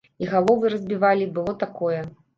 І галовы разбівалі, было такое.